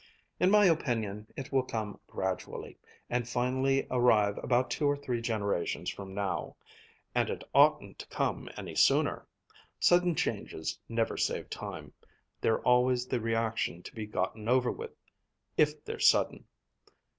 In my opinion it will come gradually, and finally arrive about two or three generations from now. And it oughtn't to come any sooner! Sudden changes never save time. There's always the reaction to be gotten over with, if they're sudden.